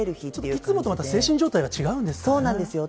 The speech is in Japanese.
いつもとまた精神状態が違うそうなんですよ。